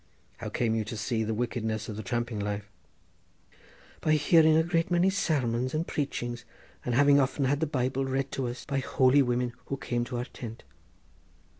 "How came you to see the wickedness of the tramping life?" "By hearing a great many sermons and preachings, and having often had the Bible read to us by holy women who came to our tent."